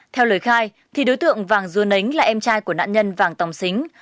theo lời khai thì đối tượng vàng dua nánh là em trai của nạn nhân vàng tòng xính